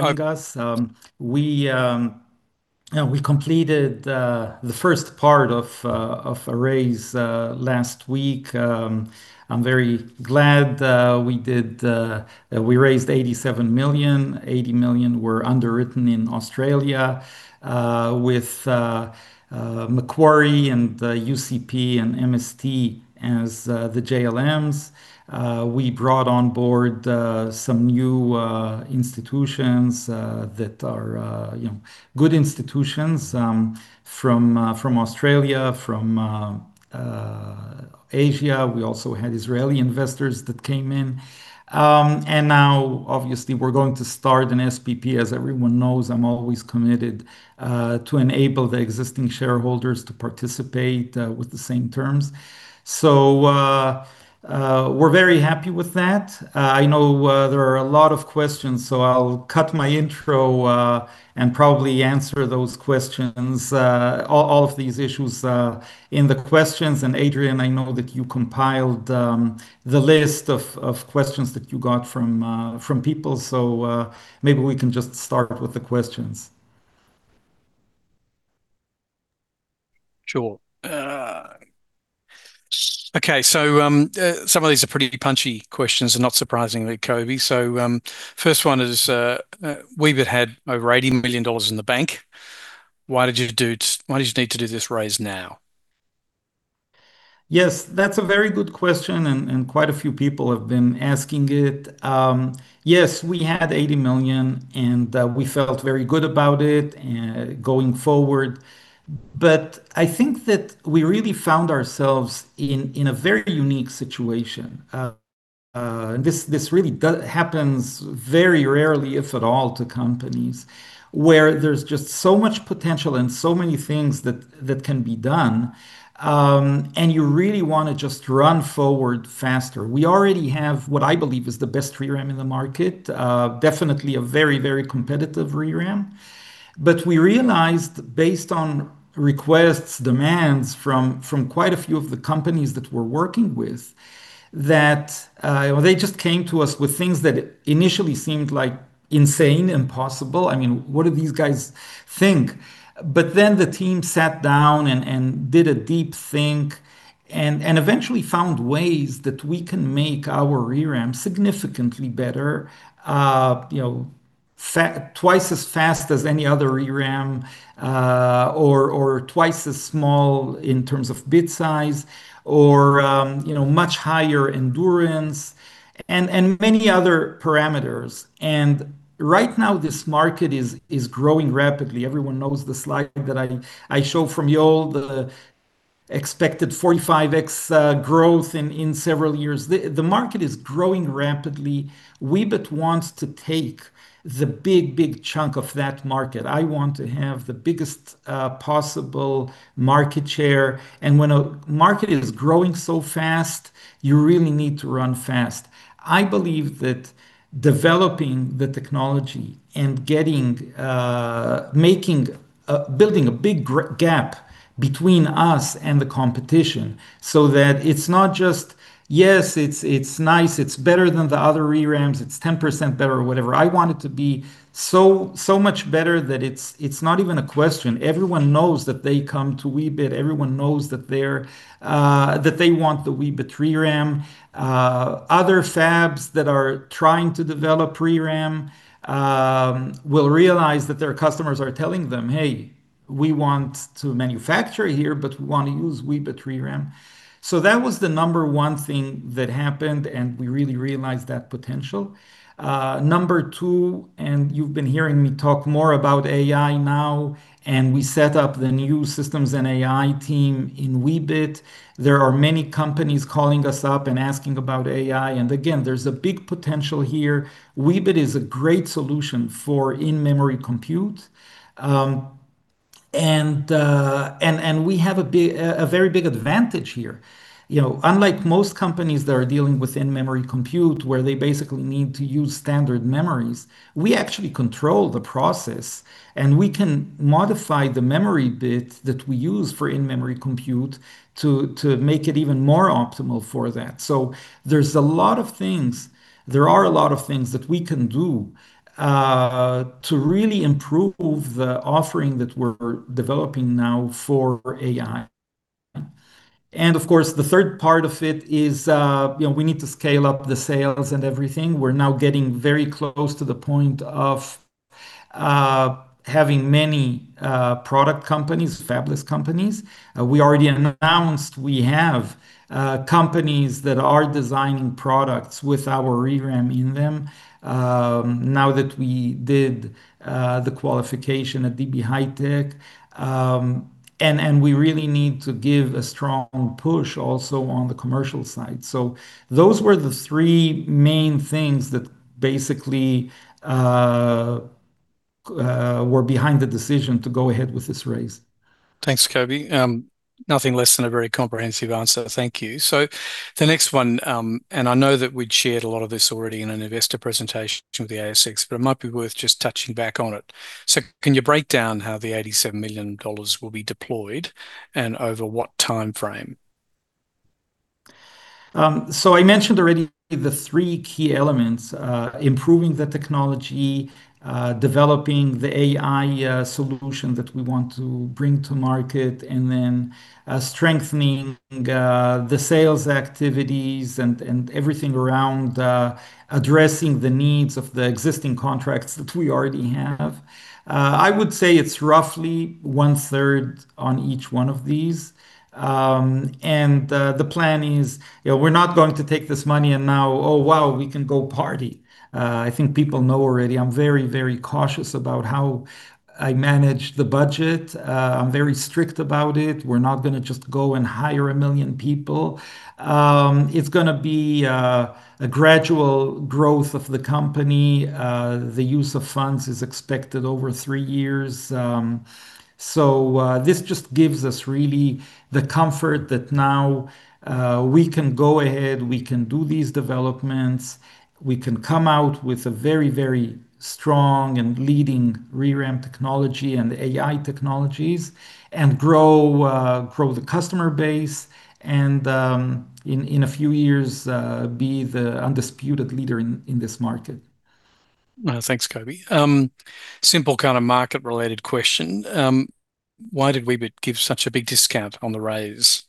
Hi, guys. Yeah, we completed the first part of a raise last week. I'm very glad we did. We raised 87 million. 80 million were underwritten in Australia, with Macquarie and UCP and MST as the JLMs. We brought on board some new institutions that are, you know, good institutions from Australia, from Asia. We also had Israeli investors that came in. Now obviously we're going to start an SPP. As everyone knows, I'm always committed to enable the existing shareholders to participate with the same terms. We're very happy with that. I know there are a lot of questions, so I'll cut my intro and probably answer those questions, all of these issues in the questions. Adrian, I know that you compiled the list of questions that you got from people, so maybe we can just start with the questions. Sure. Some of these are pretty punchy questions, and not surprisingly, Coby. First one is, Weebit had over 80 million dollars in the bank. Why did you need to do this raise now? Yes, that's a very good question, and quite a few people have been asking it. Yes, we had 80 million, and we felt very good about it going forward. I think that we really found ourselves in a very unique situation. This really happens very rarely, if at all, to companies, where there's just so much potential and so many things that can be done, and you really wanna just run forward faster. We already have what I believe is the best ReRAM in the market, definitely a very competitive ReRAM. We realized, based on requests, demands from quite a few of the companies that we're working with, that well, they just came to us with things that initially seemed like insane, impossible. I mean, what do these guys think? The team sat down and did a deep think and eventually found ways that we can make our ReRAM significantly better. You know, twice as fast as any other ReRAM, or twice as small in terms of bit size or, you know, much higher endurance and many other parameters. Right now this market is growing rapidly. Everyone knows the slide that I show from Yole, the expected 45x growth in several years. The market is growing rapidly. Weebit wants to take the big chunk of that market. I want to have the biggest possible market share. When a market is growing so fast, you really need to run fast. I believe that developing the technology and getting making, building a big gap between us and the competition so that it's not just, "Yes, it's nice. It's better than the other ReRAMs. It's 10% better," or whatever. I want it to be so much better that it's not even a question. Everyone knows that they come to Weebit. Everyone knows that they want the Weebit ReRAM. Other fabs that are trying to develop ReRAM will realize that their customers are telling them, "Hey, we want to manufacture here, but we wanna use Weebit ReRAM." That was the number one thing that happened, and we really realized that potential. Number two, you've been hearing me talk more about AI now, and we set up the new systems and AI team in Weebit. There are many companies calling us up and asking about AI. Again, there's a big potential here. Weebit is a great solution for in-memory compute. We have a very big advantage here. You know, unlike most companies that are dealing with in-memory compute, where they basically need to use standard memories, we actually control the process, and we can modify the memory bits that we use for in-memory compute to make it even more optimal for that. There's a lot of things that we can do to really improve the offering that we're developing now for AI. Of course, the third part of it is, you know, we need to scale up the sales and everything. We're now getting very close to the point of having many product companies, fabless companies. We already announced we have companies that are designing products with our ReRAM in them, now that we did the qualification at DB HiTek. We really need to give a strong push also on the commercial side. Those were the three main things that basically were behind the decision to go ahead with this raise. Thanks, Coby. Nothing less than a very comprehensive answer. Thank you. The next one, and I know that we'd shared a lot of this already in an investor presentation with the ASX, but it might be worth just touching back on it. Can you break down how the 87 million dollars will be deployed and over what timeframe? So I mentioned already the three key elements, improving the technology, developing the AI solution that we want to bring to market, and then strengthening the sales activities and everything around addressing the needs of the existing contracts that we already have. I would say it's roughly one-third on each one of these. The plan is, you know, we're not going to take this money and now, oh, wow, we can go party. I think people know already I'm very, very cautious about how I manage the budget. I'm very strict about it. We're not gonna just go and hire 1,000,000 people. It's gonna be a gradual growth of the company. The use of funds is expected over three years. This just gives us really the comfort that now we can go ahead, we can do these developments, we can come out with a very, very strong and leading ReRAM technology and AI technologies and grow the customer base and, in a few years, be the undisputed leader in this market. Thanks, Coby. Simple kind of market-related question. Why did Weebit give such a big discount on the raise?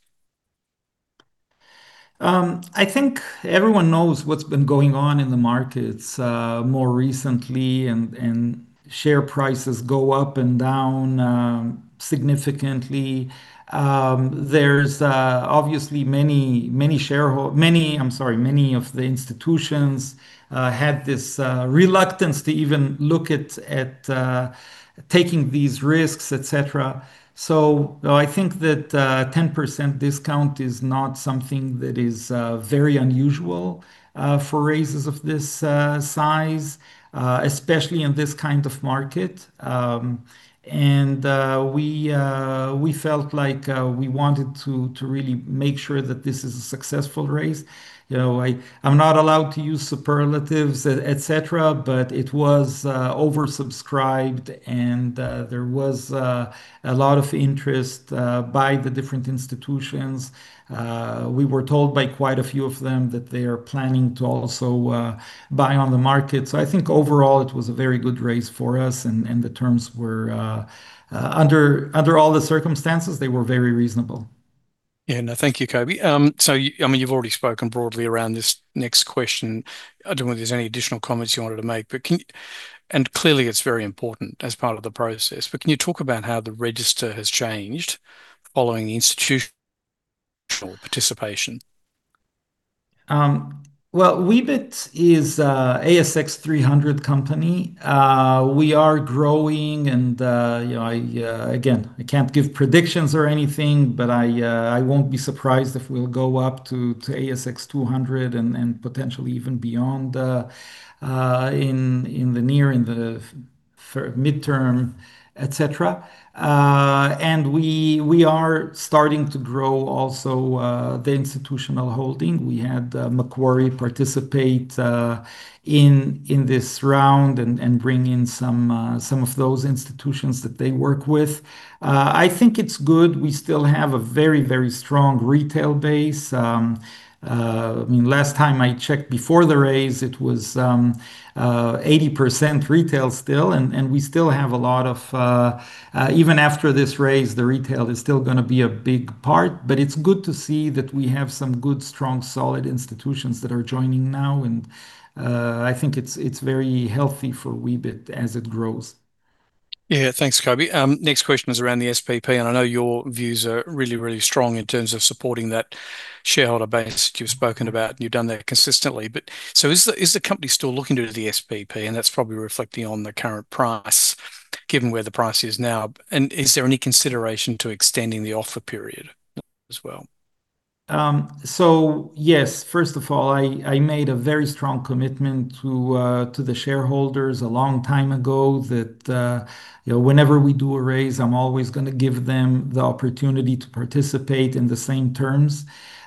I think everyone knows what's been going on in the markets more recently and share prices go up and down significantly. There's obviously many of the institutions had this reluctance to even look at taking these risks, et cetera. I think that a 10% discount is not something that is very unusual for raises of this size especially in this kind of market. We felt like we wanted to really make sure that this is a successful raise. You know, I'm not allowed to use superlatives, et cetera, but it was oversubscribed and there was a lot of interest by the different institutions. We were told by quite a few of them that they are planning to also buy on the market. I think overall it was a very good raise for us and the terms were, under all the circumstances, they were very reasonable. Yeah. No. Thank you, Coby. I mean, you've already spoken broadly around this next question. I don't know whether there's any additional comments you wanted to make. Clearly it's very important as part of the process. Can you talk about how the register has changed following institutional participation? Well, Weebit is an ASX 300 company. We are growing and, you know, again, I can't give predictions or anything, but I won't be surprised if we'll go up to ASX 200 and potentially even beyond in the near and midterm, etc. We are starting to grow also the institutional holding. We had Macquarie participate in this round and bring in some of those institutions that they work with. I think it's good. We still have a very strong retail base. I mean, last time I checked before the raise, it was 80% retail still, and we still have a lot of retail even after this raise, the retail is still gonna be a big part. It's good to see that we have some good, strong, solid institutions that are joining now, and I think it's very healthy for Weebit as it grows. Yeah. Thanks, Coby. Next question is around the SPP, and I know your views are really, really strong in terms of supporting that shareholder base that you've spoken about, and you've done that consistently. Is the company still looking to do the SPP? That's probably reflecting on the current price, given where the price is now. Is there any consideration to extending the offer period as well? Yes, first of all, I made a very strong commitment to the shareholders a long time ago that, you know, whenever we do a raise, I'm always gonna give them the opportunity to participate in the same terms.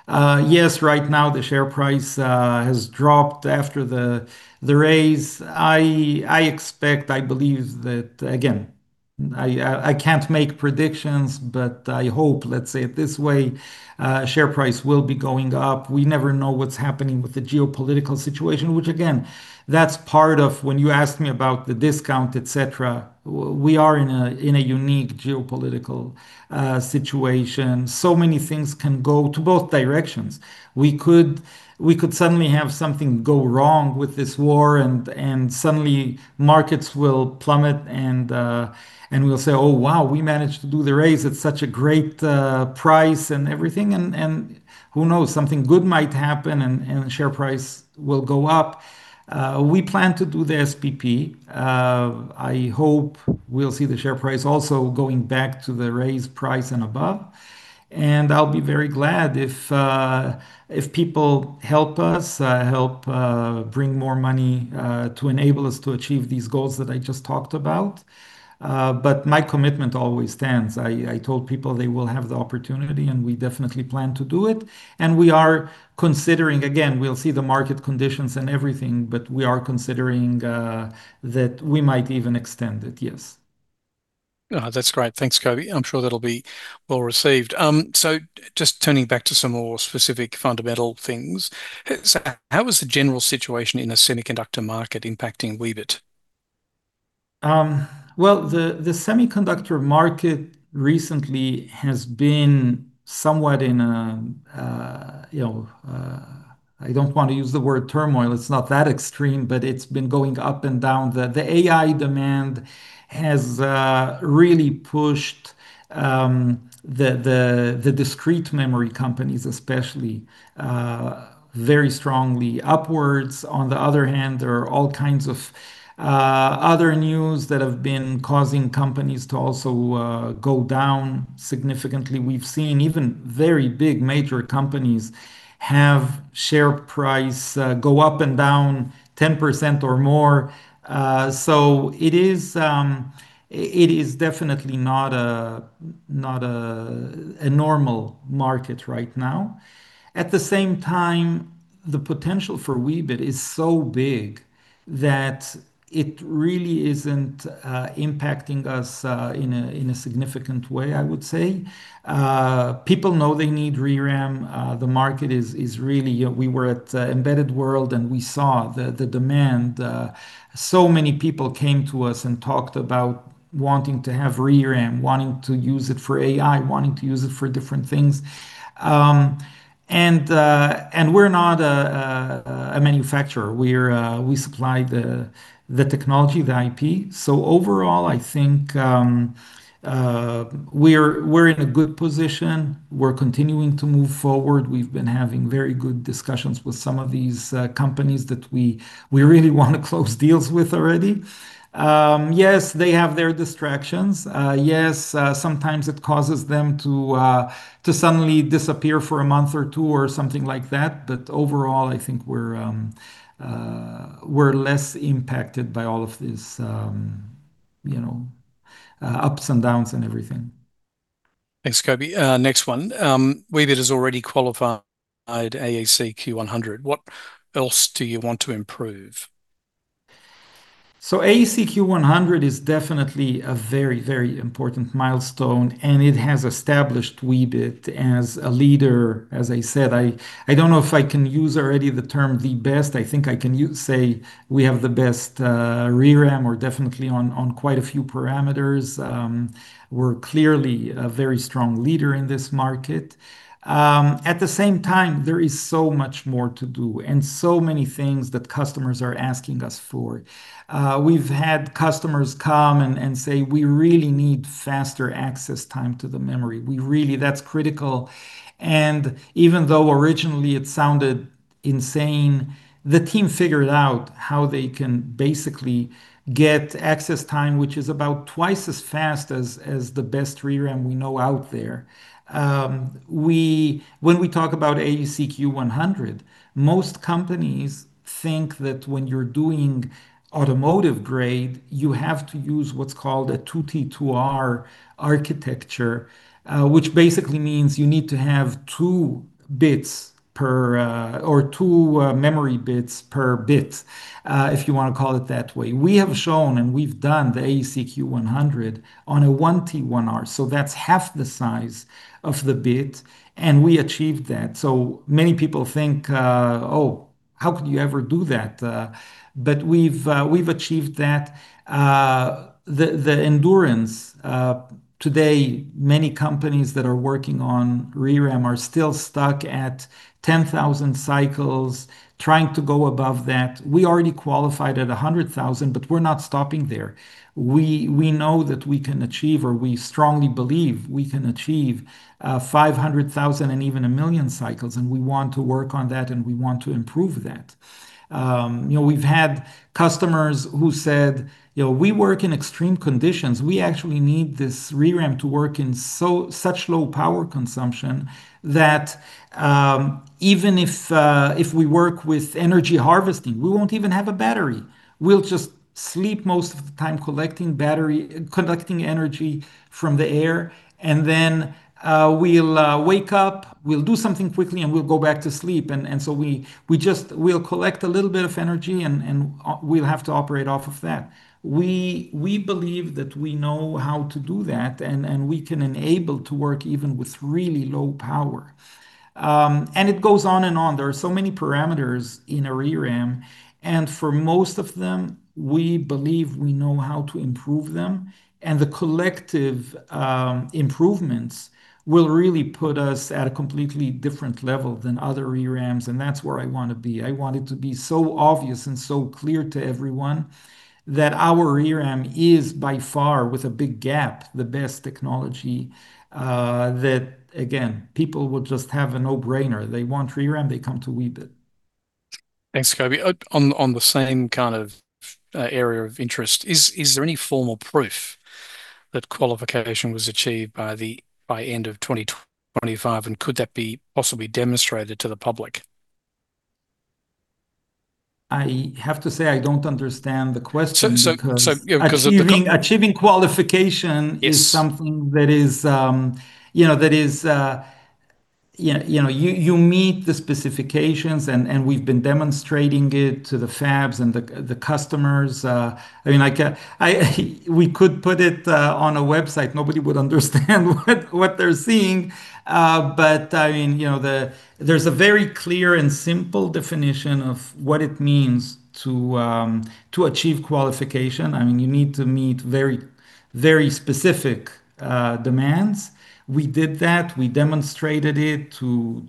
Yes, right now the share price has dropped after the raise. I expect, I believe that, again, I can't make predictions, but I hope, let's say it this way, share price will be going up. We never know what's happening with the geopolitical situation, which again, that's part of when you asked me about the discount, et cetera. We are in a unique geopolitical situation. Many things can go to both directions. We could suddenly have something go wrong with this war and suddenly markets will plummet and we'll say, "Oh wow, we managed to do the raise at such a great price and everything." Who knows? Something good might happen and the share price will go up. We plan to do the SPP. I hope we'll see the share price also going back to the raise price and above. I'll be very glad if people help us bring more money to enable us to achieve these goals that I just talked about. My commitment always stands. I told people they will have the opportunity, and we definitely plan to do it. We are considering, again, we'll see the market conditions and everything, but we are considering that we might even extend it, yes. Oh, that's great. Thanks, Coby. I'm sure that'll be well-received. Just turning back to some more specific fundamental things. How is the general situation in the semiconductor market impacting Weebit? Well, the semiconductor market recently has been somewhat in, you know, I don't want to use the word turmoil, it's not that extreme, but it's been going up and down. The AI demand has really pushed the discrete memory companies, especially, very strongly upwards. On the other hand, there are all kinds of other news that have been causing companies to also go down significantly. We've seen even very big major companies have share price go up and down 10% or more. It is definitely not a normal market right now. At the same time, the potential for Weebit is so big that it really isn't impacting us in a significant way, I would say. People know they need ReRAM. The market is really. You know, we were at Embedded World, and we saw the demand. So many people came to us and talked about wanting to have ReRAM, wanting to use it for AI, wanting to use it for different things. We're not a manufacturer. We supply the technology, the IP. Overall, I think we're in a good position. We're continuing to move forward. We've been having very good discussions with some of these companies that we really want to close deals with already. Yes, they have their distractions. Sometimes it causes them to suddenly disappear for a month or two, or something like that. Overall, I think we're less impacted by all of this, you know, ups and downs and everything. Thanks, Coby. Next one. Weebit has already qualified AEC-Q100. What else do you want to improve? AEC-Q100 is definitely a very, very important milestone, and it has established Weebit as a leader. As I said, I don't know if I can use already the term the best. I think I can say we have the best ReRAM, or definitely on quite a few parameters. We're clearly a very strong leader in this market. At the same time, there is so much more to do and so many things that customers are asking us for. We've had customers come and say, "We really need faster access time to the memory. That's critical." Even though originally it sounded insane, the team figured out how they can basically get access time, which is about twice as fast as the best ReRAM we know out there. When we talk about AEC-Q100, most companies think that when you're doing automotive grade, you have to use what's called a 2T2R architecture, which basically means you need to have two bits per, or two memory bits per bit, if you wanna call it that way. We have shown, and we've done the AEC-Q100 on a 1T1R, so that's half the size of the bit, and we achieved that. Many people think, "Oh, how could you ever do that?" But we've achieved that. The endurance today, many companies that are working on ReRAM are still stuck at 10,000 cycles trying to go above that. We already qualified at 100,000, but we're not stopping there. We know that we can achieve, or we strongly believe we can achieve, 500,000 and even 1,000,000 cycles, and we want to work on that, and we want to improve that. You know, we've had customers who said, "You know, we work in extreme conditions. We actually need this ReRAM to work in such low power consumption that, even if we work with energy harvesting, we won't even have a battery. We'll just sleep most of the time collecting energy from the air, and then we'll wake up, we'll do something quickly, and we'll go back to sleep. We'll collect a little bit of energy, and we'll have to operate off of that." We believe that we know how to do that, and we can enable to work even with really low power. It goes on and on. There are so many parameters in a ReRAM, and for most of them, we believe we know how to improve them. The collective improvements will really put us at a completely different level than other ReRAMs, and that's where I wanna be. I want it to be so obvious and so clear to everyone that our ReRAM is by far, with a big gap, the best technology, that again, people will just have a no-brainer. They want ReRAM, they come to Weebit. Thanks, Coby. On the same kind of area of interest, is there any formal proof that qualification was achieved by end of 2025, and could that be possibly demonstrated to the public? I have to say, I don't understand the question because- You know, because of the. achieving qualification- Yes. is something that is, you know, that is, yeah, you know, you meet the specifications and we've been demonstrating it to the fabs and the customers. I mean, we could put it on a website, nobody would understand what they're seeing. But I mean, you know, there's a very clear and simple definition of what it means to achieve qualification. I mean, you need to meet very, very specific demands. We did that. We demonstrated it to.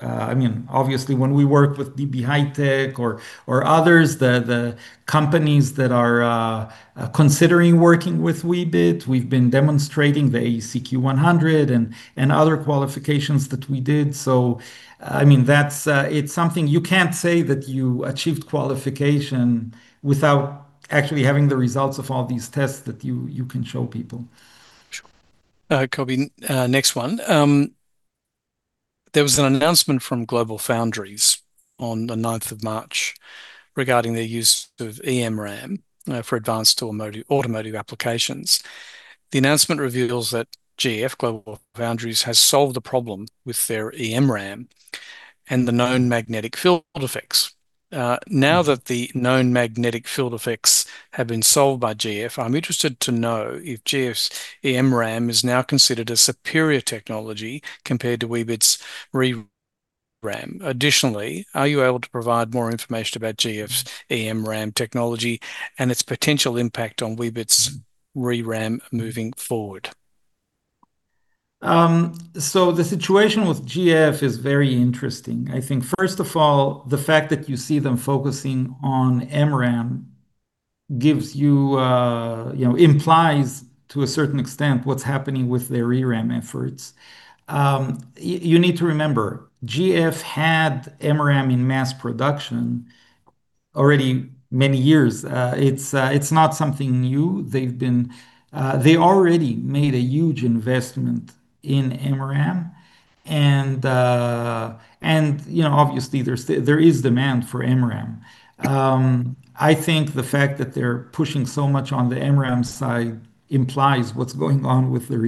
I mean, obviously, when we work with DB HiTek or others, the companies that are considering working with Weebit, we've been demonstrating the AEC-Q100 and other qualifications that we did. So, I mean, that's It's something you can't say that you achieved qualification without actually having the results of all these tests that you can show people. Sure. Coby, next one. There was an announcement from GlobalFoundries on March 9th regarding their use of eMRAM for advanced automotive applications. The announcement reveals that GF, GlobalFoundries, has solved the problem with their eMRAM and the known magnetic field effects. Now that the known magnetic field effects have been solved by GF, I'm interested to know if GF's eMRAM is now considered a superior technology compared to Weebit's ReRAM. Additionally, are you able to provide more information about GF's eMRAM technology and its potential impact on Weebit's ReRAM moving forward? The situation with GF is very interesting. I think, first of all, the fact that you see them focusing on MRAM gives you know, implies, to a certain extent, what's happening with their ReRAM efforts. You need to remember, GF had MRAM in mass production already many years. It's not something new. They already made a huge investment in MRAM and, you know, obviously, there is demand for MRAM. I think the fact that they're pushing so much on the MRAM side implies what's going on with the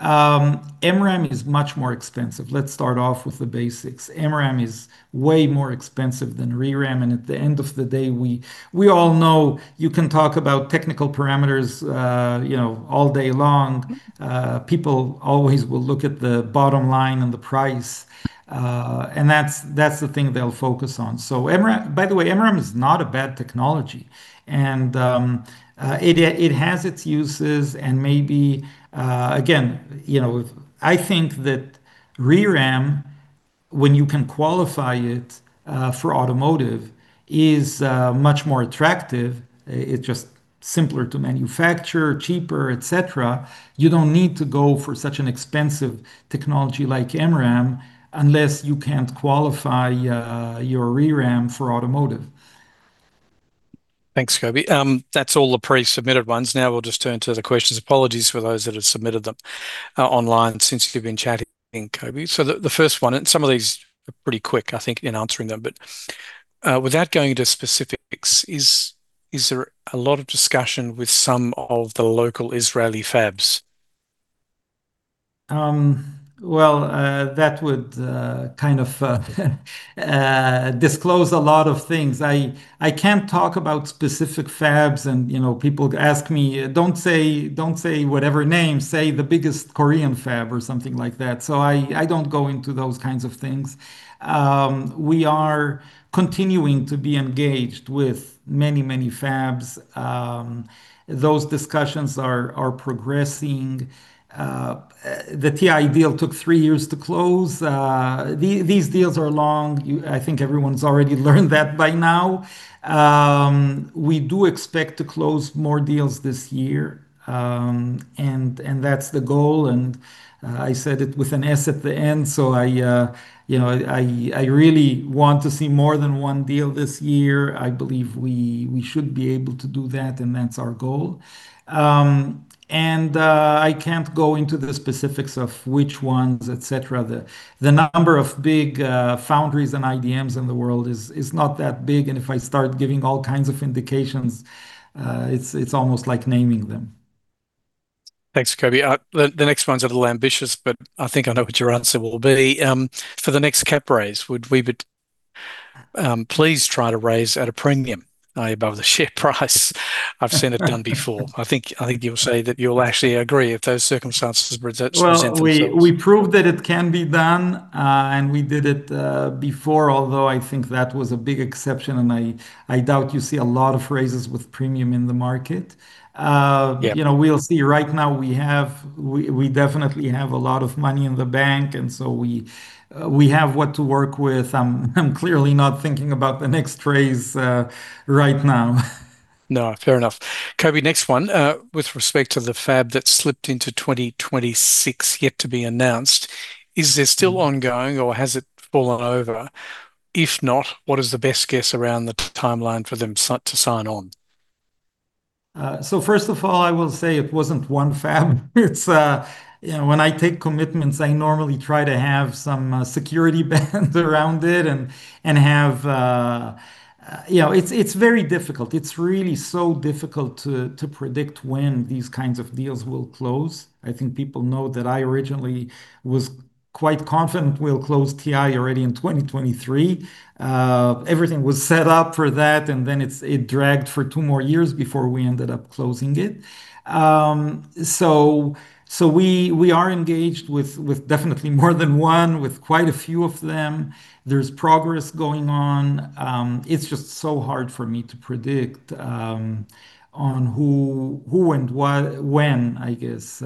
ReRAM. MRAM is much more expensive. Let's start off with the basics. MRAM is way more expensive than ReRAM, and at the end of the day, we all know you can talk about technical parameters, you know, all day long. People always will look at the bottom line and the price, and that's the thing they'll focus on. MRAM. By the way, MRAM is not a bad technology, and it has its uses and maybe. Again, you know, I think that ReRAM, when you can qualify it for automotive, is much more attractive. It's just simpler to manufacture, cheaper, etc. You don't need to go for such an expensive technology like MRAM unless you can't qualify your ReRAM for automotive. Thanks, Coby. That's all the pre-submitted ones. Now we'll just turn to the questions. Apologies for those that have submitted them online since you've been chatting, Coby. So the first one, and some of these are pretty quick, I think, in answering them. Without going into specifics, is there a lot of discussion with some of the local Israeli fabs? Well, that would kind of disclose a lot of things. I can't talk about specific fabs and, you know, people ask me, "Don't say, don't say whatever name. Say the biggest Korean fab or something like that." I don't go into those kinds of things. We are continuing to be engaged with many fabs. Those discussions are progressing. The TI deal took three years to close. These deals are long. I think everyone's already learned that by now. We do expect to close more deals this year, and that's the goal. I said it with an S at the end, so you know, I really want to see more than one deal this year. I believe we should be able to do that, and that's our goal. I can't go into the specifics of which ones, et cetera. The number of big foundries and IDMs in the world is not that big, and if I start giving all kinds of indications, it's almost like naming them. Thanks, Coby. The next one's a little ambitious, but I think I know what your answer will be. For the next cap raise, would Weebit please try to raise at a premium, i.e., above the share price? I've seen it done before. I think you'll say that you'll actually agree if those circumstances present themselves. Well, we proved that it can be done, and we did it before, although I think that was a big exception, and I doubt you see a lot of raises with premium in the market. Yeah You know, we'll see. Right now, we definitely have a lot of money in the bank, and so we have what to work with. I'm clearly not thinking about the next raise right now. No, fair enough. Coby, next one. With respect to the fab that slipped into 2026 yet to be announced, is this still ongoing or has it fallen over? If not, what is the best guess around the timeline for them to sign on? First of all, I will say it wasn't one fab. You know, when I take commitments, I normally try to have some security bands around it. It's really difficult to predict when these kinds of deals will close. I think people know that I originally was quite confident we'll close TI already in 2023. Everything was set up for that, and then it dragged for two more years before we ended up closing it. We are engaged with definitely more than one, with quite a few of them. There's progress going on. It's just so hard for me to predict who and when, I guess.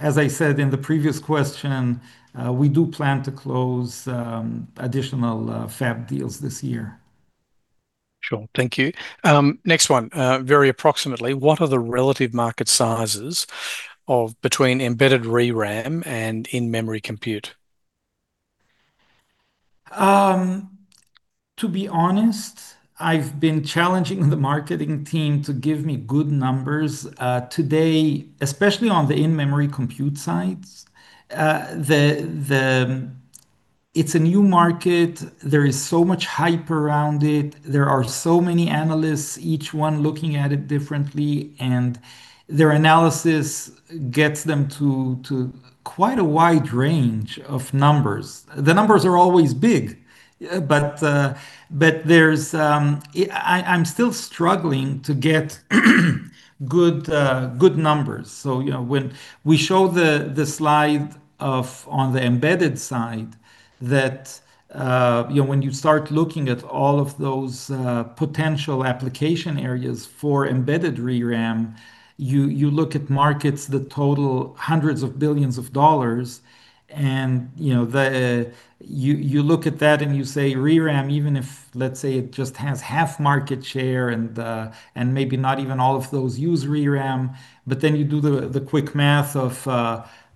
As I said in the previous question, we do plan to close additional fab deals this year. Sure. Thank you. Next one. Very approximately, what are the relative market sizes between embedded ReRAM and In-memory compute? To be honest, I've been challenging the marketing team to give me good numbers. Today, especially on the in-memory computing side, it's a new market. There is so much hype around it. There are so many analysts, each one looking at it differently, and their analysis gets them to quite a wide range of numbers. The numbers are always big, but I'm still struggling to get good numbers. You know, when we show the slide on the embedded side, you know, when you start looking at all of those potential application areas for embedded ReRAM, you look at markets that total hundreds of billions of dollars and, you know, the you look at that and you say, ReRAM, even if, let's say, it just has half market share and maybe not even all of those use ReRAM, but then you do the quick math of,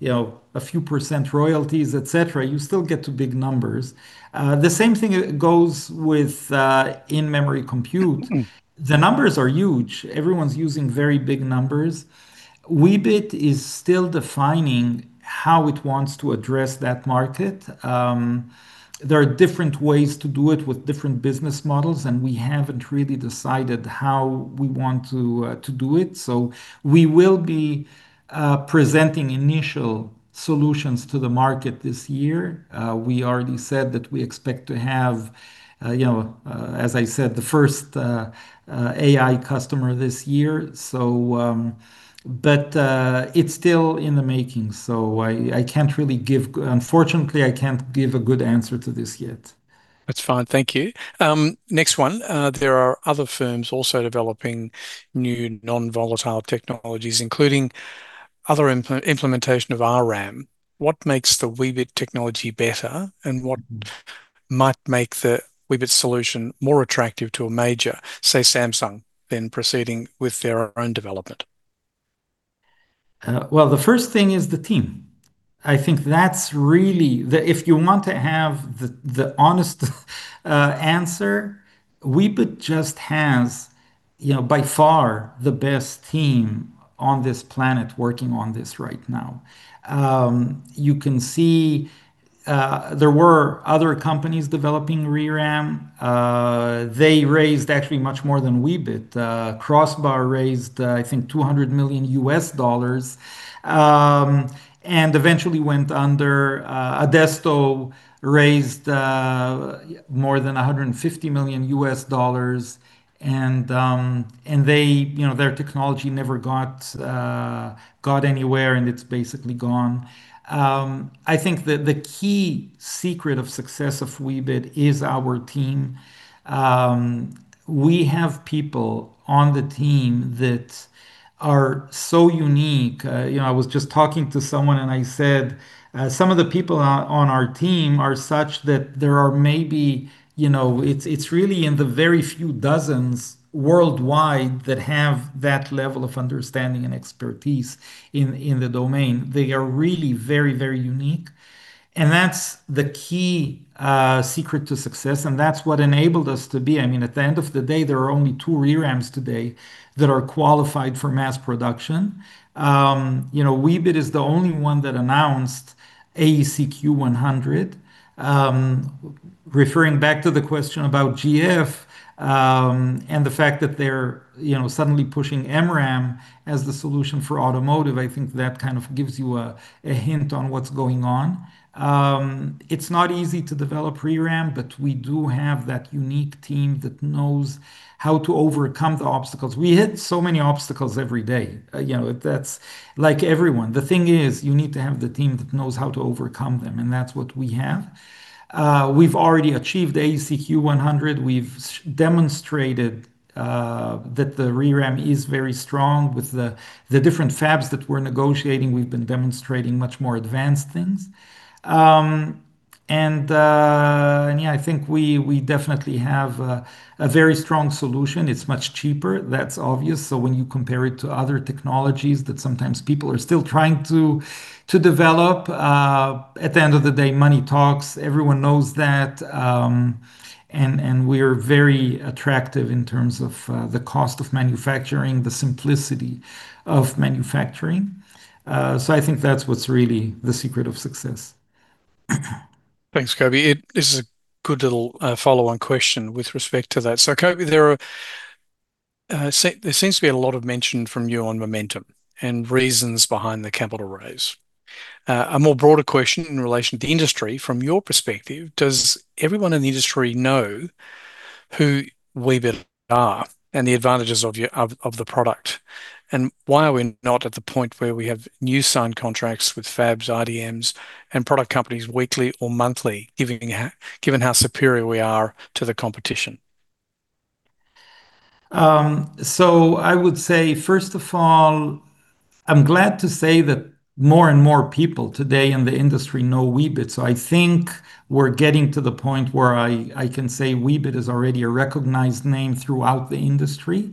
you know, a few percent royalties, etc., you still get to big numbers. The same thing goes with in-memory compute. The numbers are huge. Everyone's using very big numbers. Weebit is still defining how it wants to address that market. There are different ways to do it with different business models, and we haven't really decided how we want to do it. We will be presenting initial solutions to the market this year. We already said that we expect to have, you know, as I said, the first AI customer this year, so, but it's still in the making, so unfortunately, I can't give a good answer to this yet. That's fine. Thank you. There are other firms also developing new non-volatile technologies, including other implementation of ReRAM. What makes the Weebit technology better, and what might make the Weebit solution more attractive to a major, say Samsung, than proceeding with their own development? Well, the first thing is the team. I think that's really the honest answer, if you want to have the honest answer. Weebit just has, you know, by far the best team on this planet working on this right now. You can see there were other companies developing ReRAM. They raised actually much more than Weebit. Crossbar raised, I think $200 million, and eventually went under. Adesto raised more than $150 million and they, you know, their technology never got anywhere, and it's basically gone. I think the key secret of success of Weebit is our team. We have people on the team that are so unique. You know, I was just talking to someone and I said, some of the people on our team are such that there are maybe, you know, it's really in the very few dozens worldwide that have that level of understanding and expertise in the domain. They are really very, very unique, and that's the key secret to success, and that's what enabled us to be. I mean, at the end of the day, there are only two ReRAMs today that are qualified for mass production. You know, Weebit is the only one that announced AEC-Q100. Referring back to the question about GF, and the fact that they're, you know, suddenly pushing MRAM as the solution for automotive, I think that kind of gives you a hint on what's going on. It's not easy to develop ReRAM, but we do have that unique team that knows how to overcome the obstacles. We hit so many obstacles every day. You know, that's like everyone. The thing is, you need to have the team that knows how to overcome them, and that's what we have. We've already achieved AEC-Q100. We've demonstrated that the ReRAM is very strong. With the different fabs that we're negotiating, we've been demonstrating much more advanced things. Yeah, I think we definitely have a very strong solution. It's much cheaper, that's obvious. When you compare it to other technologies that sometimes people are still trying to develop, at the end of the day, money talks. Everyone knows that, and we're very attractive in terms of, the cost of manufacturing, the simplicity of manufacturing. I think that's what's really the secret of success. Thanks, Coby. It is a good little follow-on question with respect to that. Coby, there seems to be a lot of mention from you on momentum and reasons behind the capital raise. A more broader question in relation to industry, from your perspective, does everyone in the industry know who Weebit are and the advantages of the product? And why are we not at the point where we have new signed contracts with fabs, IDMs, and product companies weekly or monthly, given how superior we are to the competition? I would say, first of all, I'm glad to say that more and more people today in the industry know Weebit. I think we're getting to the point where I can say Weebit is already a recognized name throughout the industry.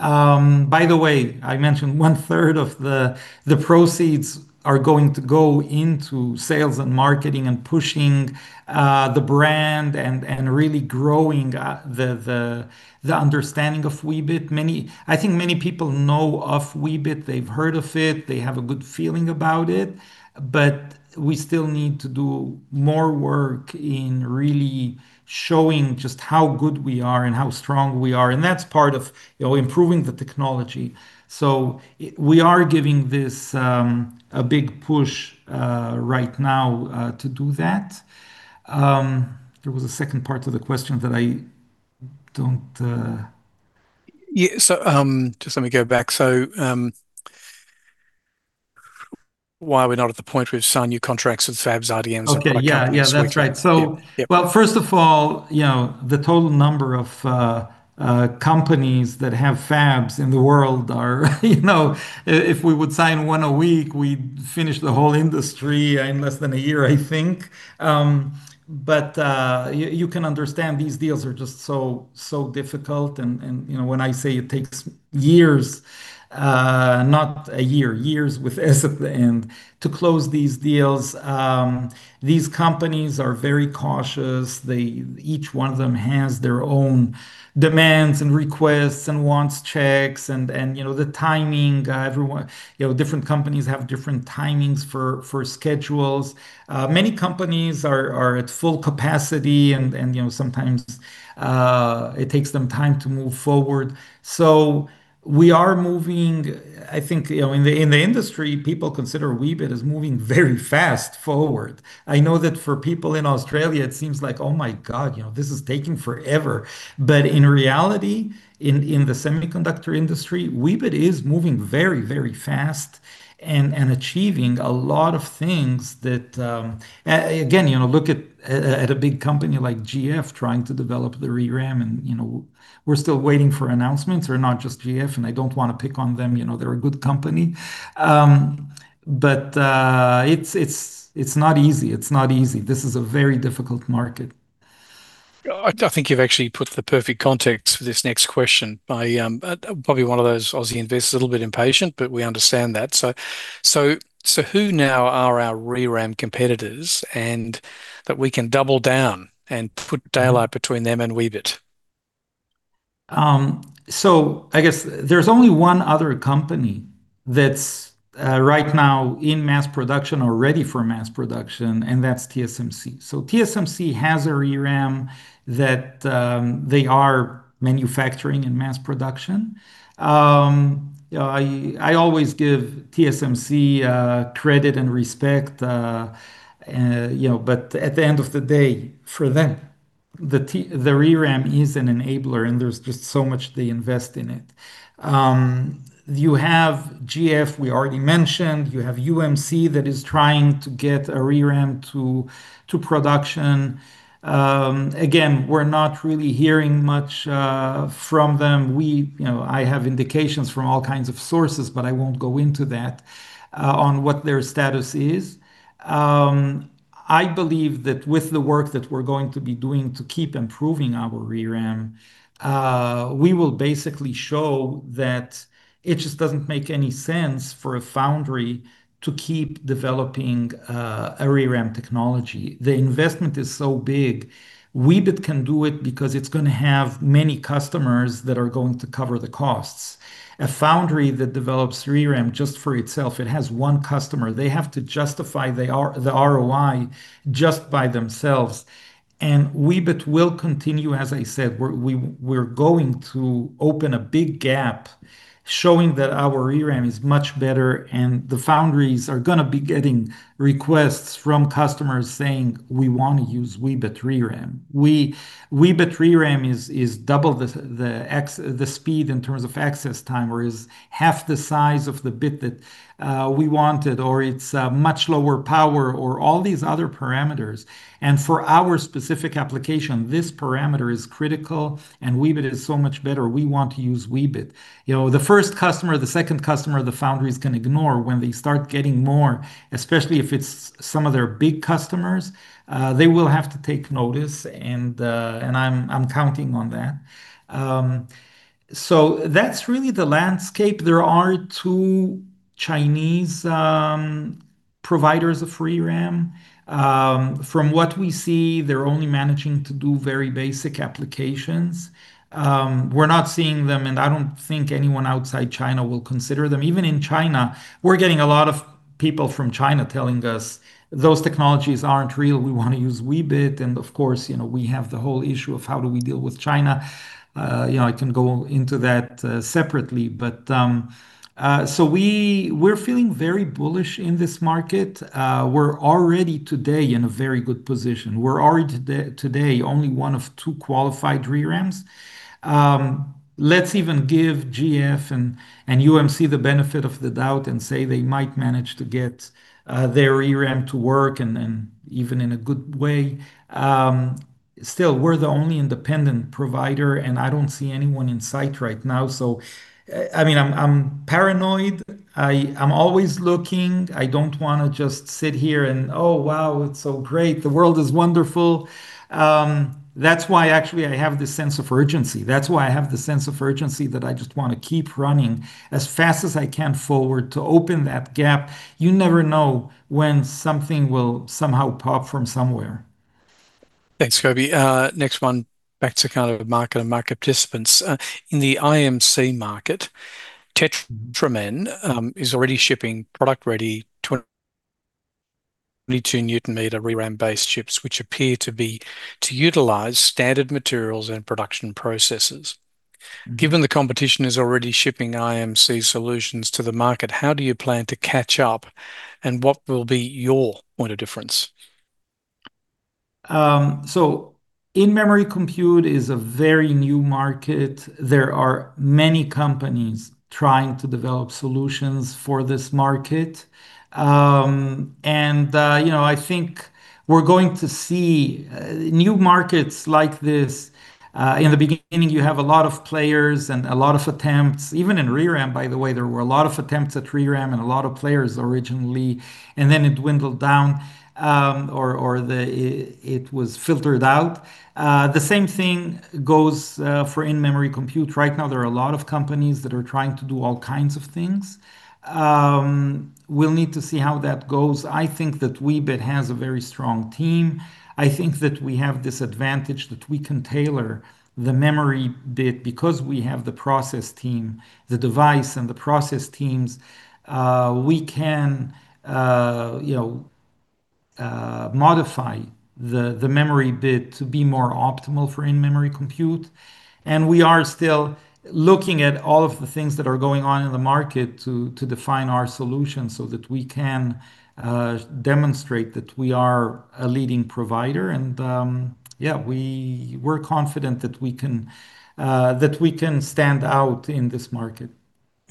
By the way, I mentioned one-third of the proceeds are going to go into sales and marketing and pushing the brand and really growing the understanding of Weebit. I think many people know of Weebit, they've heard of it, they have a good feeling about it, but we still need to do more work in really showing just how good we are and how strong we are, and that's part of, you know, improving the technology. We are giving this a big push right now to do that. There was a second part to the question that I don't. Yeah. Just let me go back. Why we're not at the point we've signed new contracts with fabs, IDMs. Okay. Yeah. Product companies weekly? Yeah. Yeah, that's right. Yeah. Well, first of all, you know, the total number of companies that have fabs in the world are, you know. If we would sign one a week, we'd finish the whole industry in less than a year, I think. You can understand these deals are just so difficult and, you know, when I say it takes years, not a year, years with S at the end, to close these deals. These companies are very cautious. They each one of them has their own demands and requests and wants checks and, you know, the timing, everyone. You know, different companies have different timings for schedules. Many companies are at full capacity and, you know, sometimes, it takes them time to move forward. We are moving. I think, you know, in the industry, people consider Weebit as moving very fast forward. I know that for people in Australia, it seems like, "Oh my God, you know, this is taking forever." In reality, in the semiconductor industry, Weebit is moving very fast and achieving a lot of things that, again, you know, look at a big company like GF trying to develop the ReRAM and, you know, we're still waiting for announcements, or not just GF, and I don't wanna pick on them, you know, they're a good company. It's not easy. This is a very difficult market. I think you've actually put the perfect context for this next question by probably one of those Aussie investors, a little bit impatient, but we understand that. So who now are our ReRAM competitors and that we can double down and put daylight between them and Weebit? I guess there's only one other company that's right now in mass production or ready for mass production, and that's TSMC. TSMC has a ReRAM that they are manufacturing in mass production. I always give TSMC credit and respect, you know, but at the end of the day, for them, the ReRAM is an enabler, and there's just so much they invest in it. You have GF, we already mentioned. You have UMC that is trying to get a ReRAM to production. Again, we're not really hearing much from them. You know, I have indications from all kinds of sources, but I won't go into that on what their status is. I believe that with the work that we're going to be doing to keep improving our ReRAM, we will basically show that it just doesn't make any sense for a foundry to keep developing a ReRAM technology. The investment is so big. Weebit can do it because it's gonna have many customers that are going to cover the costs. A foundry that develops ReRAM just for itself, it has one customer, they have to justify the ROI just by themselves. Weebit will continue, as I said, we're going to open a big gap showing that our ReRAM is much better, and the foundries are gonna be getting requests from customers saying, "We wanna use Weebit ReRAM." Weebit ReRAM is double the speed in terms of access time or is half the size of the bit that we wanted, or it's much lower power or all these other parameters. For our specific application, this parameter is critical and Weebit is so much better. We want to use Weebit. You know, the first customer, the second customer, the foundry's gonna ignore when they start getting more, especially if it's some of their big customers, they will have to take notice and I'm counting on that. That's really the landscape. There are two Chinese providers of ReRAM. From what we see, they're only managing to do very basic applications. We're not seeing them, and I don't think anyone outside China will consider them. Even in China, we're getting a lot of people from China telling us those technologies aren't real, we want to use Weebit. Of course, you know, we have the whole issue of how do we deal with China. You know, I can go into that separately. We're feeling very bullish in this market. We're already today in a very good position. We're already today only one of two qualified ReRAMs. Let's even give GF and UMC the benefit of the doubt and say they might manage to get their ReRAM to work and even in a good way. Still, we're the only independent provider, and I don't see anyone in sight right now. I mean, I'm paranoid. I'm always looking. I don't wanna just sit here and, "Oh, wow, it's so great. The world is wonderful." That's why actually I have this sense of urgency. That's why I have the sense of urgency that I just wanna keep running as fast as I can forward to open that gap. You never know when something will somehow pop from somewhere. Thanks, Coby. Next one, back to kind of market and market participants. In the IMC market, TetraMem is already shipping production-ready 22 nm ReRAM-based chips, which appear to utilize standard materials and production processes. Mm. Given the competition is already shipping IMC solutions to the market, how do you plan to catch up, and what will be your point of difference? In-Memory Compute is a very new market. There are many companies trying to develop solutions for this market. You know, I think we're going to see new markets like this. In the beginning, you have a lot of players and a lot of attempts. Even in ReRAM, by the way, there were a lot of attempts at ReRAM and a lot of players originally, and then it dwindled down, or it was filtered out. The same thing goes for in-memory compute. Right now, there are a lot of companies that are trying to do all kinds of things. We'll need to see how that goes. I think that Weebit has a very strong team. I think that we have this advantage that we can tailor the memory bit because we have the process team, the device and the process teams. We can, you know, modify the memory bit to be more optimal for in-memory compute. We are still looking at all of the things that are going on in the market to define our solution so that we can demonstrate that we are a leading provider. We're confident that we can stand out in this market.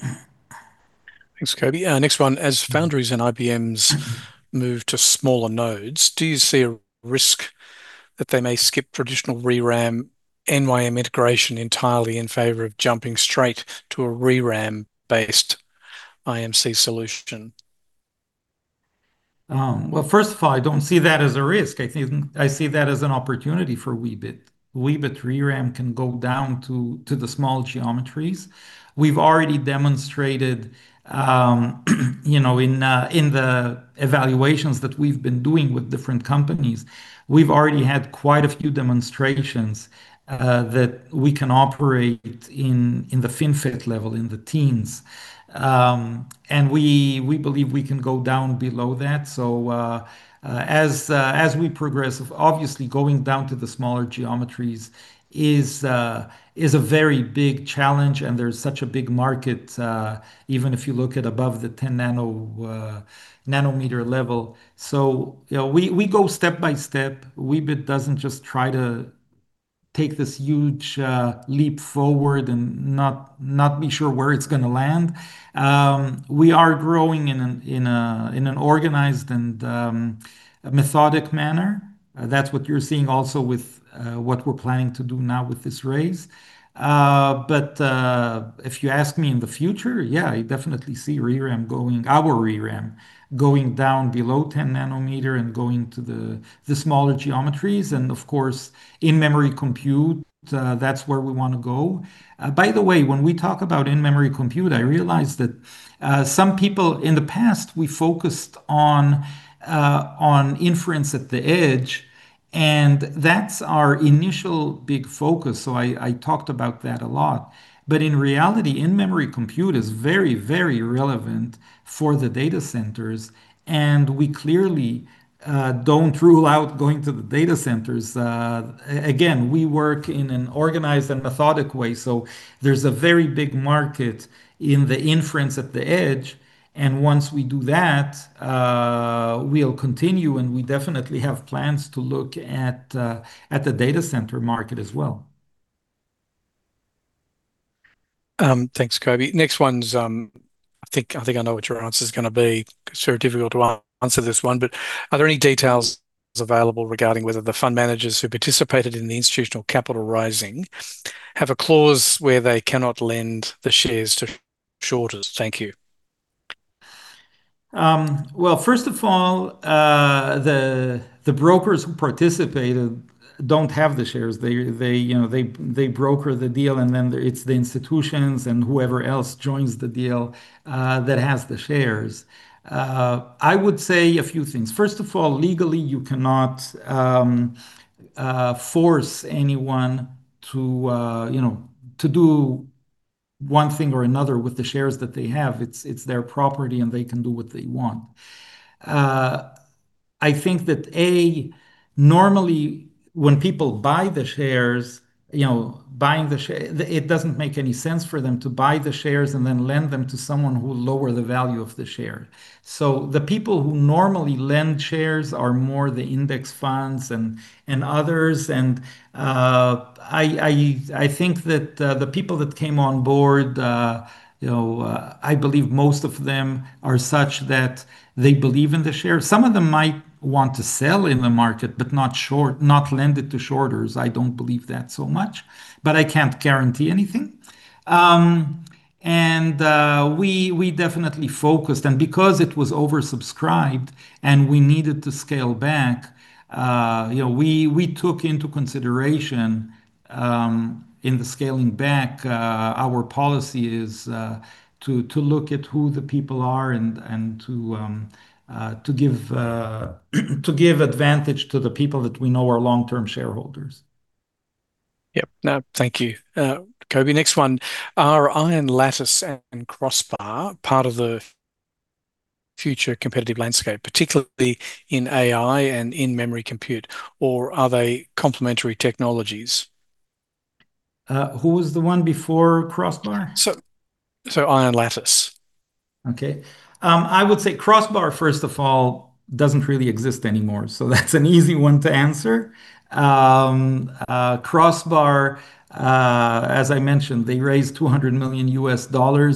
Thanks, Coby. Next one. As foundries and IDMs move to smaller nodes, do you see a risk that they may skip traditional ReRAM NVM integration entirely in favor of jumping straight to a ReRAM-based IMC solution? Well, first of all, I don't see that as a risk. I see that as an opportunity for Weebit. Weebit ReRAM can go down to the small geometries. We've already demonstrated, you know, in the evaluations that we've been doing with different companies, we've already had quite a few demonstrations that we can operate in the FinFET level, in the teens. We believe we can go down below that. As we progress, obviously going down to the smaller geometries is a very big challenge, and there's such a big market, even if you look at above the 10 nm level. You know, we go step by step. Weebit doesn't just try to take this huge leap forward and not be sure where it's gonna land. We are growing in an organized and methodical manner. That's what you're seeing also with what we're planning to do now with this raise. If you ask me in the future, yeah, I definitely see our ReRAM going down below 10 nm and going to the smaller geometries. Of course, in-memory compute, that's where we wanna go. By the way, when we talk about in-memory compute, I realize that some people in the past, we focused on inference at the edge, and that's our initial big focus, so I talked about that a lot. In reality, in-memory compute is very, very relevant for the data centers, and we clearly don't rule out going to the data centers. Again, we work in an organized and methodic way, so there's a very big market in the inference at the edge. Once we do that, we'll continue, and we definitely have plans to look at the data center market as well. Thanks, Coby. Next one's, I think I know what your answer is gonna be. It's very difficult to answer this one, but are there any details available regarding whether the fund managers who participated in the institutional capital raising have a clause where they cannot lend the shares to shorters? Thank you. Well, first of all, the brokers who participated don't have the shares. They, you know, broker the deal, and then it's the institutions and whoever else joins the deal that has the shares. I would say a few things. First of all, legally, you cannot force anyone to, you know, to do one thing or another with the shares that they have, it's their property and they can do what they want. I think that, A, normally when people buy the shares, you know, it doesn't make any sense for them to buy the shares and then lend them to someone who will lower the value of the share. The people who normally lend shares are more the index funds and others. I think that the people that came on board, you know, I believe most of them are such that they believe in the share. Some of them might want to sell in the market but not short, not lend it to shorters. I don't believe that so much, but I can't guarantee anything. We definitely focused. Because it was oversubscribed and we needed to scale back, you know, we took into consideration in the scaling back our policy is to look at who the people are and to give advantage to the people that we know are long-term shareholders. Yep. No, thank you, Coby. Next one. Are IronLattice and Crossbar part of the future competitive landscape, particularly in AI and in-memory computing, or are they complementary technologies? Who was the one before Crossbar? IronLattice. Okay. I would say Crossbar, first of all, doesn't really exist anymore, so that's an easy one to answer. Crossbar, as I mentioned, they raised $200 million,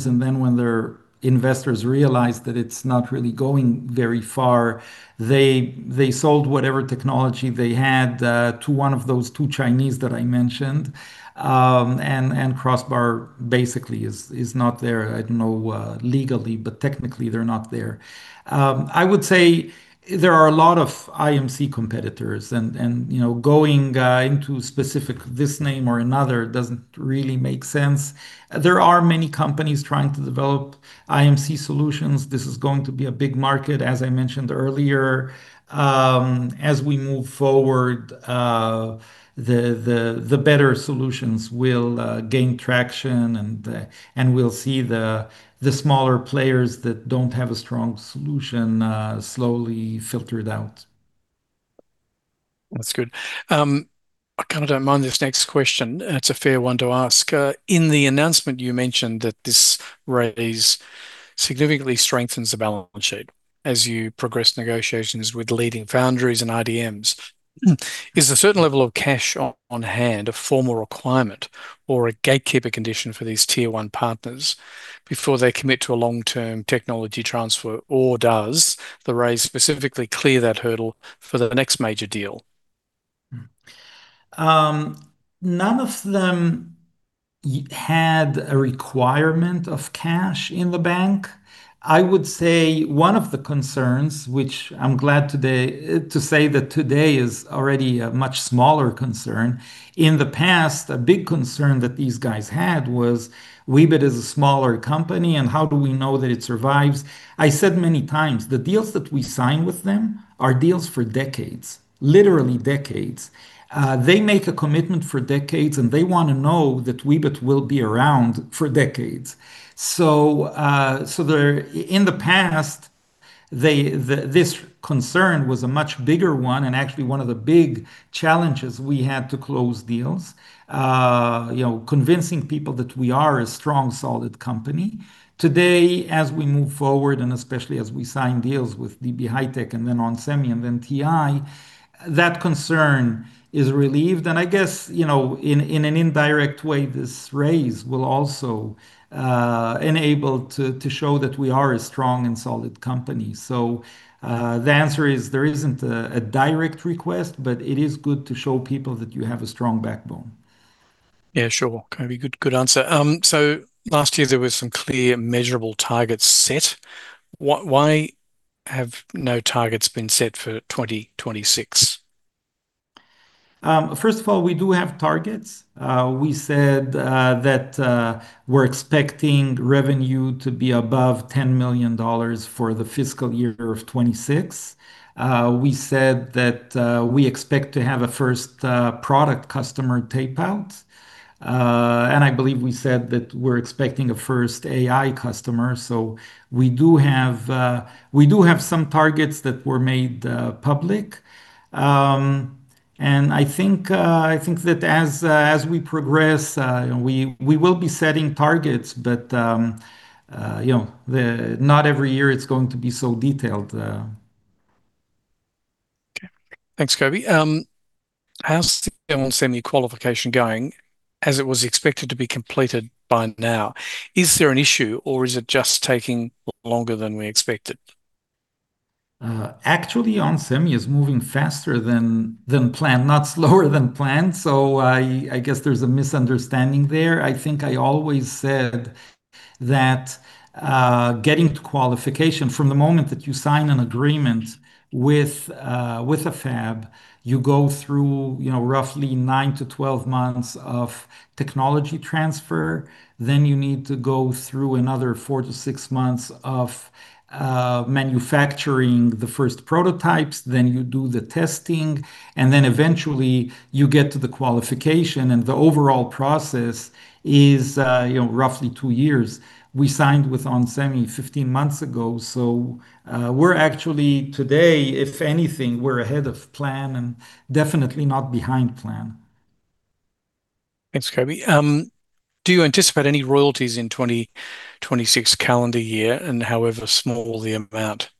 and then when their investors realized that it's not really going very far, they sold whatever technology they had to one of those two Chinese that I mentioned. Crossbar basically is not there, I don't know, legally, but technically they're not there. I would say there are a lot of IMC competitors and, you know, going into specific names or another doesn't really make sense. There are many companies trying to develop IMC solutions. This is going to be a big market, as I mentioned earlier. As we move forward, the better solutions will gain traction and we'll see the smaller players that don't have a strong solution slowly filtered out. That's good. I kind of don't mind this next question, and it's a fair one to ask. In the announcement you mentioned that this raise significantly strengthens the balance sheet as you progress negotiations with leading foundries and IDMs. Is a certain level of cash on hand a formal requirement or a gatekeeper condition for these tier one partners before they commit to a long-term technology transfer, or does the raise specifically clear that hurdle for the next major deal? None of them had a requirement of cash in the bank. I would say one of the concerns, which I'm glad today to say that today is already a much smaller concern, in the past, a big concern that these guys had was, "Weebit is a smaller company, and how do we know that it survives?" I said many times, the deals that we sign with them are deals for decades, literally decades. They make a commitment for decades, and they wanna know that Weebit will be around for decades. In the past, this concern was a much bigger one, and actually one of the big challenges we had to close deals was convincing people that we are a strong, solid company. Today, as we move forward, and especially as we sign deals with DB HiTek and then onsemi and then TI, that concern is relieved. I guess, you know, in an indirect way, this raise will also enable to show that we are a strong and solid company. The answer is there isn't a direct request, but it is good to show people that you have a strong backbone. Yeah, sure. Coby, good answer. Last year there were some clear measurable targets set. Why have no targets been set for 2026? First of all, we do have targets. We said that we're expecting revenue to be above 10 million dollars for the fiscal year of 2026. We said that we expect to have a first product customer tape-out. I believe we said that we're expecting a first AI customer. We do have some targets that were made public. I think that as we progress, we will be setting targets, but you know, not every year it's going to be so detailed. Okay. Thanks, Coby. How's the onsemi qualification going, as it was expected to be completed by now? Is there an issue or is it just taking longer than we expected? Actually, onsemi is moving faster than planned, not slower than planned, so I guess there's a misunderstanding there. I think I always said that getting to qualification from the moment that you sign an agreement with a fab, you go through, you know, roughly nine to 12 months of technology transfer, then you need to go through another four to six months of manufacturing the first prototypes, then you do the testing, and then eventually you get to the qualification, and the overall process is, you know, roughly two years. We signed with onsemi 15 months ago, so we're actually today, if anything, we're ahead of plan and definitely not behind plan. Thanks, Coby. Do you anticipate any royalties in 2026 calendar year and however small the amount?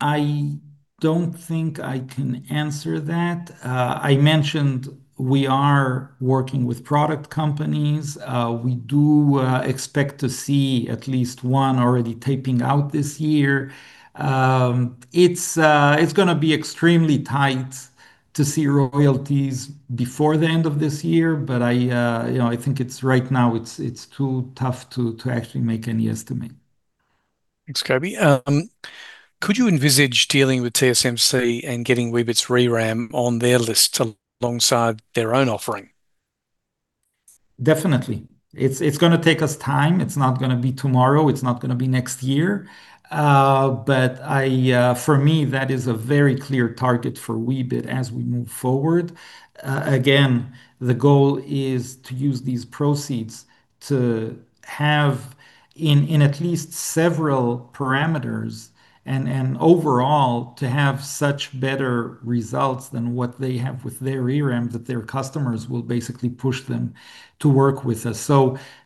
I don't think I can answer that. I mentioned we are working with product companies. We do expect to see at least one already taping out this year. It's gonna be extremely tight to see royalties before the end of this year, but you know, I think it's right now, it's too tough to actually make any estimate. Thanks, Coby. Could you envisage dealing with TSMC and getting Weebit's ReRAM on their list alongside their own offering? Definitely. It's gonna take us time. It's not gonna be tomorrow, it's not gonna be next year. For me, that is a very clear target for Weebit as we move forward. Again, the goal is to use these proceeds to have in at least several parameters and overall to have such better results than what they have with their ReRAM that their customers will basically push them to work with us.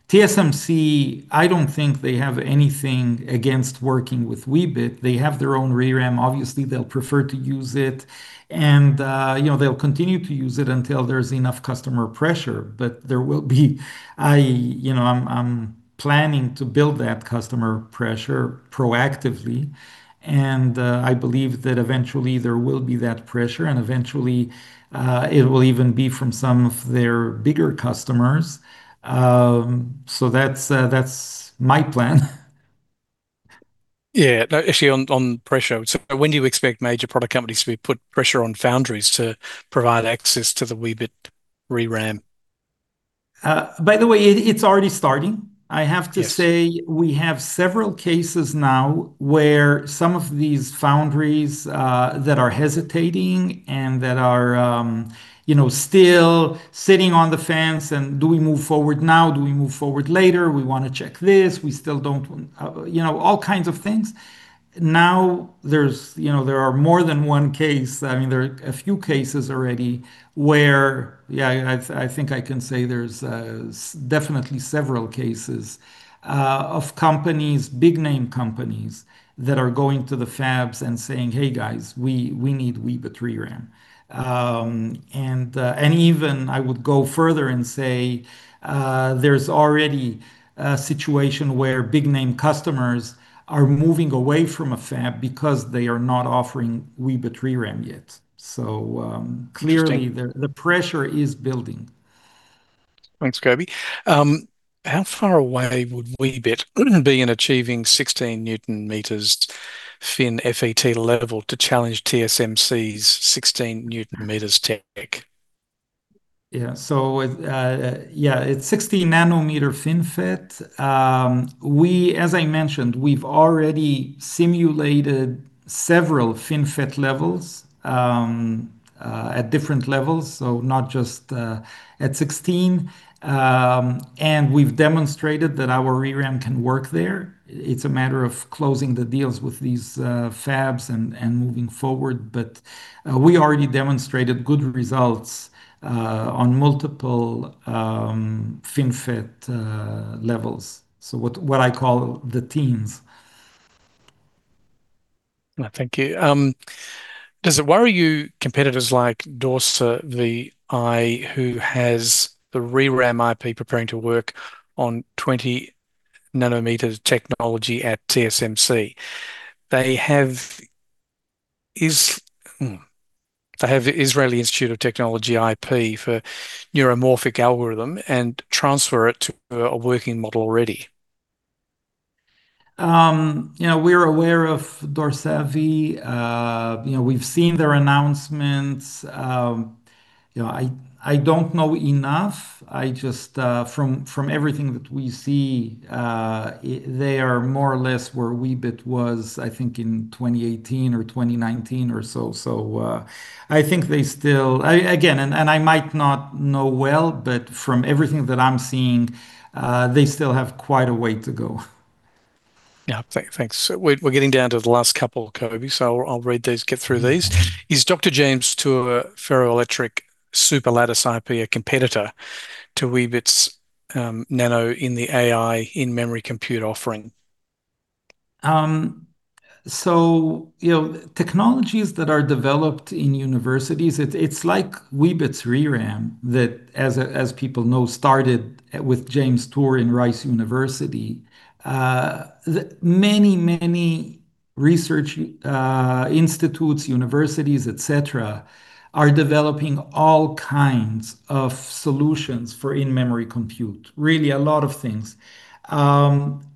TSMC, I don't think they have anything against working with Weebit. They have their own ReRAM. Obviously, they'll prefer to use it, and you know, they'll continue to use it until there's enough customer pressure. There will be, you know, I'm planning to build that customer pressure proactively, and I believe that eventually there will be that pressure, and eventually it will even be from some of their bigger customers. So that's my plan. Yeah. No, actually, on pressure, when do you expect major product companies to put pressure on foundries to provide access to the Weebit ReRAM? By the way, it's already starting. Yes. I have to say we have several cases now where some of these foundries that are hesitating and that are, you know, still sitting on the fence and do we move forward now? Do we move forward later? We wanna check this. We still don't, you know, all kinds of things. Now there's, you know, there are more than one case. I mean, there are a few cases already where, yeah, I think I can say there's definitely several cases of companies, big name companies, that are going to the fabs and saying, "Hey guys, we need Weebit ReRAM." And even I would go further and say, there's already a situation where big name customers are moving away from a fab because they are not offering Weebit ReRAM yet. Interesting. Clearly the pressure is building. Thanks, Coby. How far away would Weebit be in achieving 16 nm FinFET level to challenge TSMC's 16 nm tech? It's 16 nm FinFET. As I mentioned, we've already simulated several FinFET levels at different levels, so not just at 16 nm. We've demonstrated that our ReRAM can work there. It's a matter of closing the deals with these fabs and moving forward. We already demonstrated good results on multiple FinFET levels. What I call the teens. No, thank you. Does it worry your competitors like dorsaVi, who has the ReRAM IP preparing to work on 20 nm technology at TSMC? They have Israeli Institute of Technology IP for neuromorphic algorithm and transfer it to a working model already. You know, we're aware of dorsaVi. You know, we've seen their announcements. You know, I don't know enough. I just from everything that we see, they are more or less where Weebit was, I think, in 2018 or 2019 or so. I think they still I again and I might not know well, but from everything that I'm seeing, they still have quite a way to go. Thanks. We're getting down to the last couple, Coby, so I'll read these, get through these. Is Dr. James Tour's ferroelectric superlattice IP a competitor to Weebit Nano's in the AI in-memory compute offering? You know, technologies that are developed in universities, it's like Weebit's ReRAM that, as people know, started with James Tour in Rice University. Many research institutes, universities, etc., are developing all kinds of solutions for in-memory compute, really a lot of things.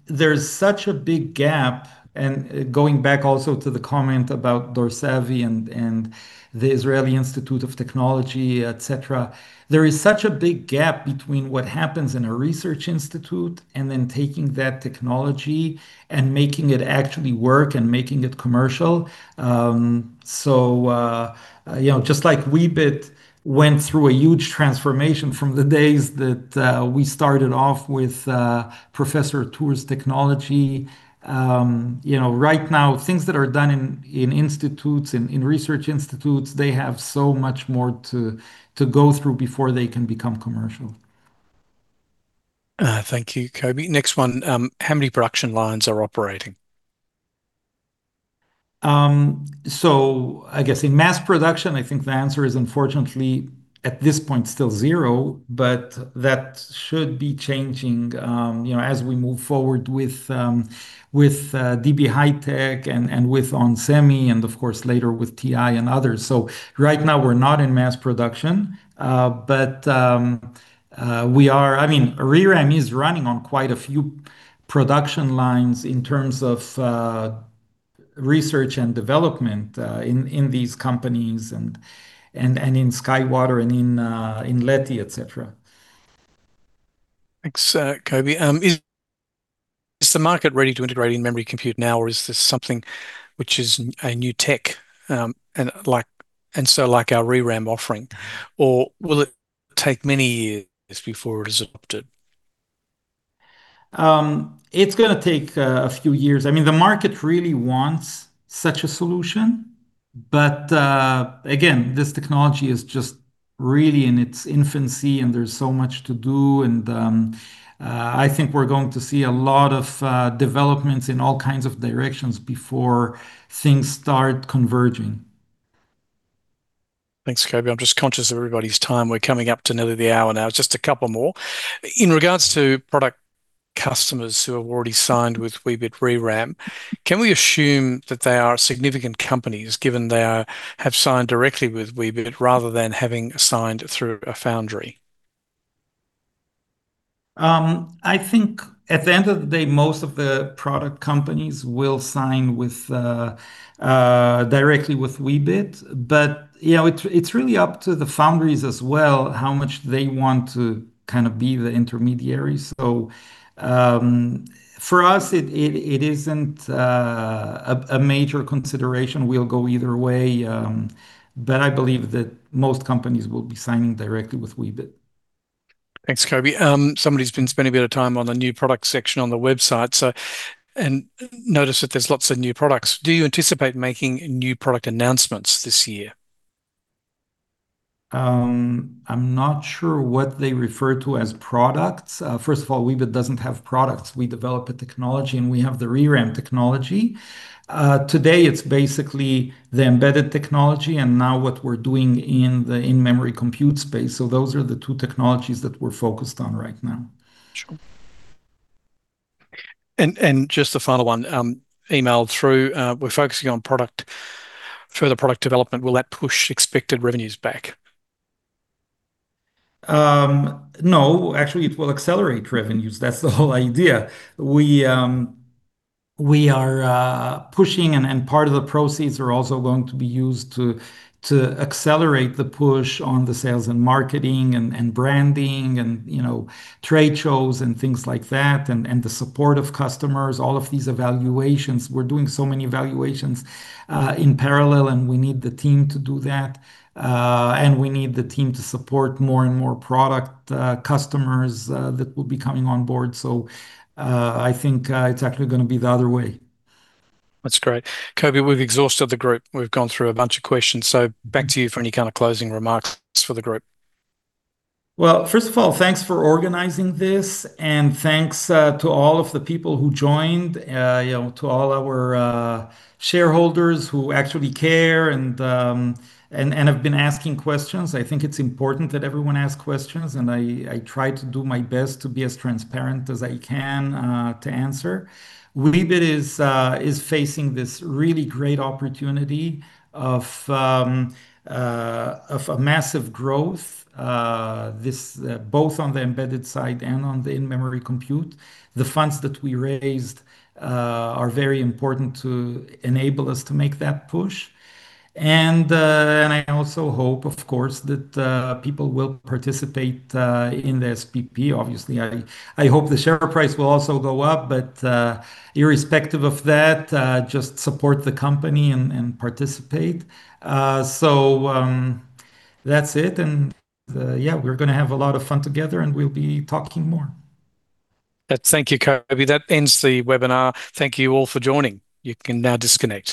There's such a big gap, and going back also to the comment about dorsaVi and the Technion, etc., there is such a big gap between what happens in a research institute and then taking that technology and making it actually work and making it commercial. You know, just like Weebit went through a huge transformation from the days that we started off with Professor Tour's technology, you know. Right now, things that are done in institutes, in research institutes, they have so much more to go through before they can become commercial. Thank you, Coby. Next one, how many production lines are operating? I guess in mass production, I think the answer is unfortunately, at this point, still zero, but that should be changing, you know, as we move forward with DB HiTek and with onsemi and of course later with TI and others. Right now we're not in mass production, but I mean, ReRAM is running on quite a few production lines in terms of research and development in these companies and in SkyWater and in Leti, etc. Thanks, Coby. Is the market ready to integrate In-memory computing now, or is this something which is a new tech, and so like our ReRAM offering? Or will it take many years before it is adopted? It's gonna take a few years. I mean, the market really wants such a solution, but again, this technology is just really in its infancy and there's so much to do and I think we're going to see a lot of developments in all kinds of directions before things start converging. Thanks, Coby. I'm just conscious of everybody's time. We're coming up to nearly the hour now. Just a couple more. In regards to product customers who have already signed with Weebit ReRAM, can we assume that they are significant companies given they have signed directly with Weebit rather than having signed through a foundry? I think at the end of the day, most of the product companies will sign directly with Weebit. You know, it's really up to the foundries as well how much they want to kind of be the intermediary. For us, it isn't a major consideration, we'll go either way. I believe that most companies will be signing directly with Weebit. Thanks, Coby. Somebody's been spending a bit of time on the new product section on the website, and noticed that there's lots of new products. Do you anticipate making new product announcements this year? I'm not sure what they refer to as products. First of all, Weebit doesn't have products. We develop a technology, and we have the ReRAM technology. Today it's basically the embedded technology and now what we're doing in the in-memory compute space. Those are the two technologies that we're focused on right now. Sure. Just the final one emailed through. We're focusing on further product development. Will that push expected revenues back? No. Actually, it will accelerate revenues. That's the whole idea. We are pushing and part of the proceeds are also going to be used to accelerate the push on the sales and marketing and branding and, you know, trade shows and things like that, and the support of customers, all of these evaluations. We're doing so many evaluations in parallel, and we need the team to do that, and we need the team to support more and more product customers that will be coming on board. I think, it's actually gonna be the other way. That's great. Coby, we've exhausted the group. We've gone through a bunch of questions. Back to you for any kind of closing remarks for the group. Well, first of all, thanks for organizing this, and thanks to all of the people who joined, you know, to all our shareholders who actually care and have been asking questions. I think it's important that everyone asks questions and I try to do my best to be as transparent as I can to answer. Weebit is facing this really great opportunity of a massive growth both on the embedded side and on the in-memory compute. The funds that we raised are very important to enable us to make that push. I also hope, of course, that people will participate in the SPP, obviously. I hope the share price will also go up, but irrespective of that, just support the company and participate. So, that's it. Yeah, we're gonna have a lot of fun together, and we'll be talking more. Thank you, Coby. That ends the webinar. Thank you all for joining. You can now disconnect.